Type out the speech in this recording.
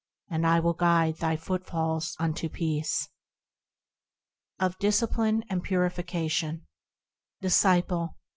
And I will guide thy footfalls unto peace. 3. Of Discipline and Purification Disciple.